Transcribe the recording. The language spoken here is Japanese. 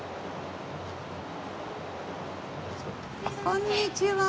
こんにちは。